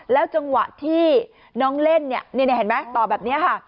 จังหวะที่น้องเล่นเนี่ยเห็นไหมตอบแบบนี้ค่ะ